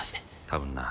多分な。